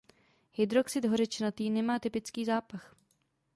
Hydroxid hořečnatý nemá typický zápach.